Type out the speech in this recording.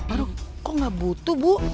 aduh kok gak butuh bu